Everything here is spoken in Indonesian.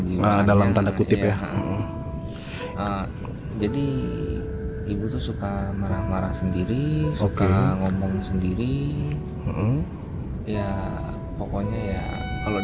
bisa dibilang begitu mas bisa dikatakan gitu